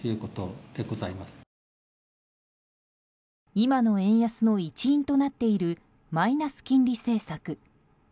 今の円安の一因となっているマイナス金利政策。